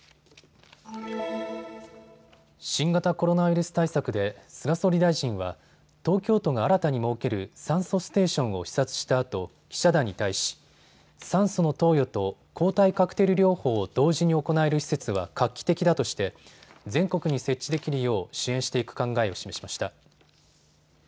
新型コロナウイルス対策で菅総理大臣は東京都が新たに設ける酸素ステーションを視察したあと記者団に対し酸素の投与と抗体カクテル療法を同時に行える施設は画期的だとして全国に設置できるよう支援していく考えを示しました。